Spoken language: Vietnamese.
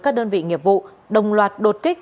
các đơn vị nghiệp vụ đồng loạt đột kích